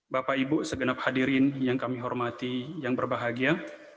bapak ibu segenap hadirin yang kami hormati yang berbahagia